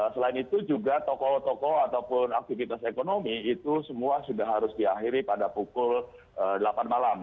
selain itu juga tokoh tokoh ataupun aktivitas ekonomi itu semua sudah harus diakhiri pada pukul delapan malam